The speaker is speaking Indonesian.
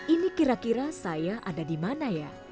ini kira kira saya ada dimana ya